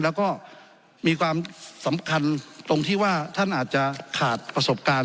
แล้วก็มีความสำคัญตรงที่ว่าท่านอาจจะขาดประสบการณ์